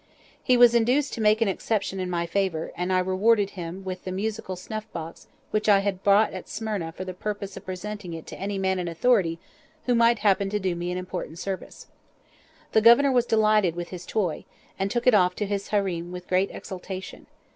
He was induced to make an exception in my favour, and I rewarded him with a musical snuffbox which I had bought at Smyrna for the purpose of presenting it to any man in authority who might happen to do me an important service. The Governor was delighted with his toy, and took it off to his harem with great exultation.